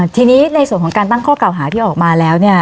ทีนี้ในส่วนของการตั้งข้อเก่าหาที่ออกมาแล้วเนี่ย